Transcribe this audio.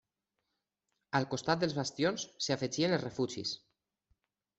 Al costat dels bastions s'hi afegien els refugis.